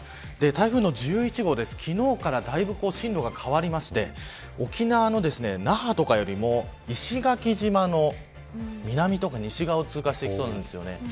台風の１１号昨日からだいぶ進路が変わって沖縄の那覇とかよりも、石垣島の南とか西側を通過していきそうです。